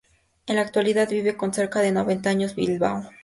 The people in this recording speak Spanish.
En la actualidad vive con cerca de noventa años en Bilbao.